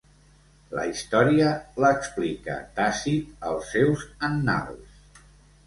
La història l'explica Tàcit als seus Annals.